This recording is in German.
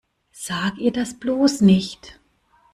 Sag ihr das bloß nicht!